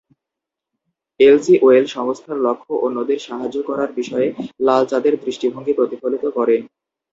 LC ওয়েল সংস্থার লক্ষ্য অন্যদের সাহায্য করার বিষয়ে লাল চাঁদের দৃষ্টিভঙ্গি প্রতিফলিত করে।